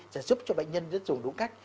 sẽ giúp cho bệnh nhân dùng đúng cách